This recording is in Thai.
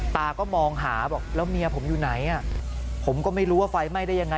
ตาก็มองหาบอกแล้วเมียผมอยู่ไหนผมก็ไม่รู้ว่าไฟไหม้ได้ยังไง